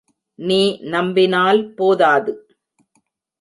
நீ நம்பினால் போதாது!